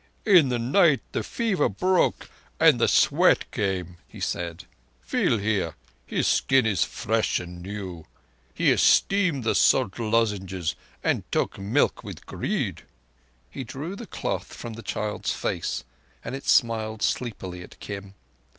"In the night the fever broke and the sweat came," he cried. "Feel here—his skin is fresh and new! He esteemed the salt lozenges, and took milk with greed." He drew the cloth from the child's face, and it smiled sleepily at Kim.